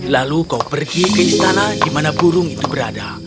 lalu kau pergi ke istana di mana burung itu berada